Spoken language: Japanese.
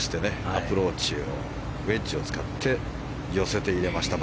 アプローチをウェッジを使って寄せて入れました。